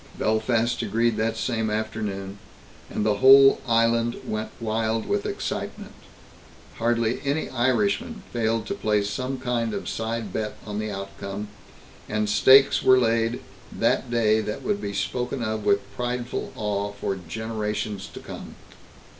Belfast agreed that same afternoon, and the whole island went wild with excitement. Hardly any Irishman failed to place some kind of side bet on the outcome, and stakes were laid that day that would be spoken of with prideful awe for generations to come.